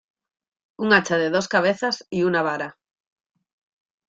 Un hacha de dos cabezas y una vara.